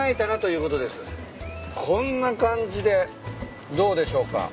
こんな感じでどうでしょうか？